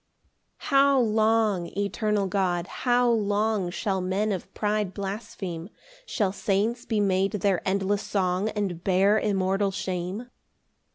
PAUSE. 9 How long, eternal God, how long Shall men of pride blaspheme? Shall saints be made their endless song, And bear immortal shame?